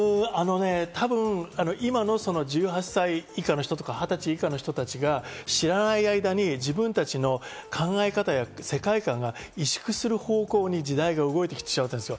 今の１８歳以下の方とか、２０歳以下の方が知らない間に自分たちの考え方や世界観が萎縮する方向に時代が動いてきたりする。